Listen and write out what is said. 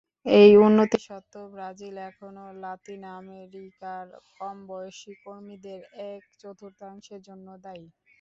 এই উন্নতি সত্ত্বেও, ব্রাজিল এখনও লাতিন আমেরিকার কম বয়সী কর্মীদের এক-চতুর্থাংশের জন্য দায়ী।